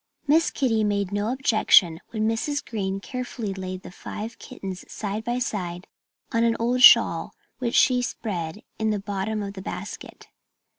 Miss Kitty made no objection when Mrs. Green carefully laid the five kittens side by side on an old shawl which she spread in the bottom of the basket.